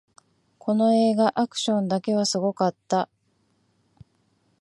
この映画、アクションだけはすごかった